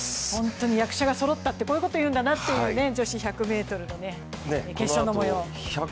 本当に役者がそろったとこういうことをいうんだなという女子１００ｍの決勝。